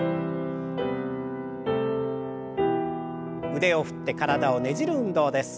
腕を振って体をねじる運動です。